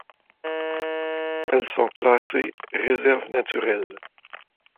Elles sont classées réserves naturelles.